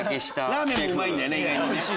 ラーメンもうまいよね。